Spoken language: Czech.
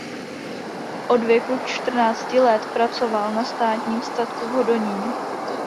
Od věku čtrnácti let pracoval na Státním statku v Hodoníně.